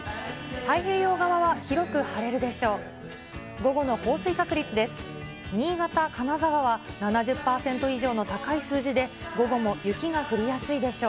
太平洋側は広く晴れるでしょう。